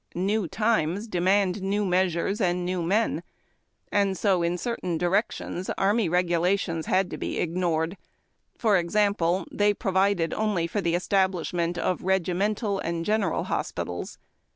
•' >.u liiaes demand new measures and new men," and so in r. i fn directions Army Regulations had to be ignored. For example, they provided only for the establish ment of regimental and general hospitals.